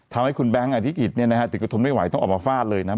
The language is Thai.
ทำให้คุณแบงค์อธิกิจถึงกระทนไม่ไหวต้องออกมาฟาดเลยนะ